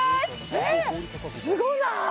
えっすごない？